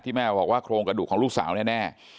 แม่บอกว่าโครงกระดูกของลูกสาวแน่